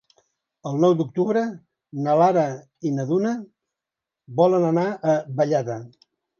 El nou d'octubre na Lara i na Duna volen anar a Vallada.